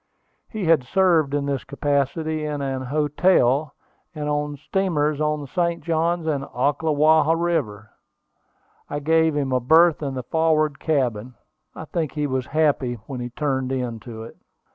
He had served in this capacity in an hotel, and on steamers on the St. Johns and Ocklawaha rivers. I gave him a berth in the forward cabin. I think he was happy when he turned into it.